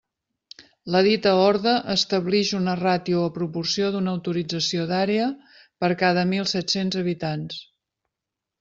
La dita orde establix una ràtio o proporció d'una autorització d'àrea per cada mil set-cents habitants.